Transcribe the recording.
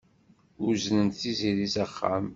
Uznent Tiziri s axxam.